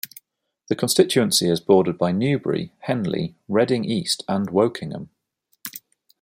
The constituency is bordered by Newbury, Henley, Reading East and Wokingham.